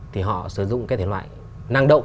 thì họ sử dụng cái thể loại năng động